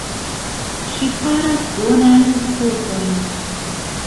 Ŝi faras bonajn fotojn.